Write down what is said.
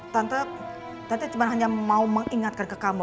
tante cuma hanya mau mengingatkan ke kamu